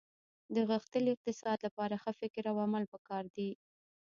د غښتلي اقتصاد لپاره ښه فکر او عمل په کار دي